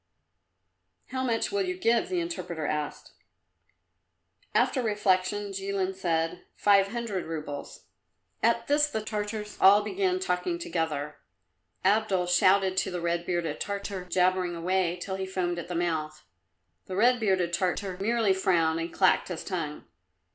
"How much will you give?" the interpreter asked. After reflection Jilin said, "Five hundred roubles." At this the Tartars all began talking together. Abdul shouted at the red bearded Tartar, jabbering away till he foamed at the mouth. The red bearded Tartar merely frowned and clacked his tongue.